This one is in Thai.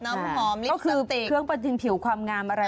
ก็คือเครื่องประทินผิวความงามอะไร